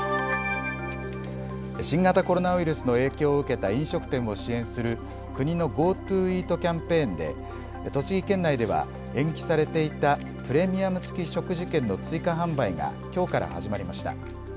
新型コロナウイルスの影響を受けた飲食店を支援する国のＧｏＴｏイートキャンペーンで栃木県内では延期されていたプレミアム付き食事券の追加販売がきょうから始まりました。